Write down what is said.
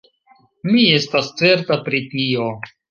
Mi estas certa pri tio.